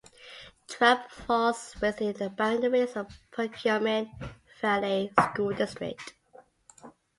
Trappe falls within the boundaries of the Perkiomen Valley School District.